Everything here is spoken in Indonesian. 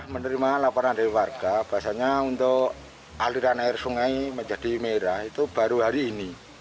menerima laporan dari warga bahwasannya untuk aliran air sungai menjadi merah itu baru hari ini